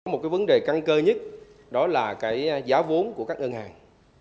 một vấn đề căng cơ nhất đó là giá vốn của các ngân hàng